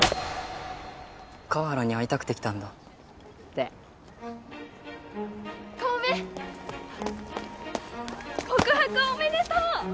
川原に会いたくて来たんだって小梅告白おめでとう！